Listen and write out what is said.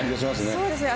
そうですね。